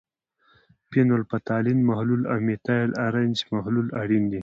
فینول فتالین محلول او میتایل ارنج محلول اړین دي.